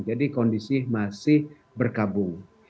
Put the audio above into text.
jadi kondisi masih berkabung